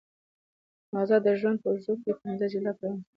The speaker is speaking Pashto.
ماغزه د ژوند په اوږدو کې پنځه جلا پړاوونه تېروي.